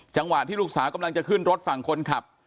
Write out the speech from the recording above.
จังหวะที่ลูกสาวกำลังจะขึ้นรถฝั่งคนขับ